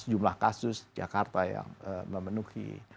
jumlah kasus jakarta yang memenuhi